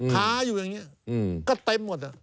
ค้าอยู่อย่างนี้ก็เต็มหมด